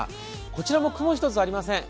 こちらも雲一つありません。